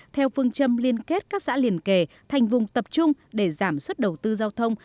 theo phương châm liên kết các xã liền kề thành vùng tập trung để giảm suất đầu tư giao thông